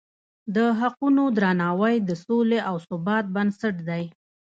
د حقونو درناوی د سولې او ثبات بنسټ دی.